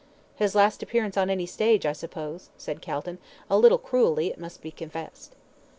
"His last appearance on any stage, I suppose," said Calton, a little cruelly, it must be confessed.